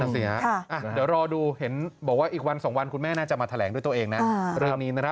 เดี๋ยวรอดูเห็นบอกว่าอีกวัน๒วันคุณแม่น่าจะมาแถลงด้วยตัวเองนะเรื่องนี้นะครับ